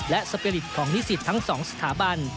และสปีริตของนิสิตทั้ง๒สถาบัน